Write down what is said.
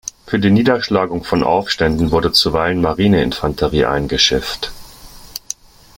Für die Niederschlagung von Aufständen wurde zuweilen Marineinfanterie eingeschifft.